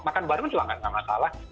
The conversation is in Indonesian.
makan baru juga tidak masalah